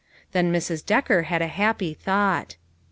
Then Mrs. Decker had a happy thought.